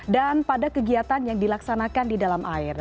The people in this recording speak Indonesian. dan pada kegiatan yang dilaksanakan di dalam air